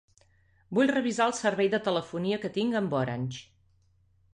Vull revisar el servei de telefonia que tinc amb Orange.